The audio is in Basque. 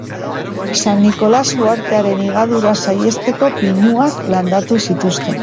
San Nikolas uhartearen higadura saihesteko pinuak landatu zituzten.